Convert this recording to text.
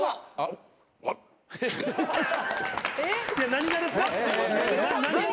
何がですか？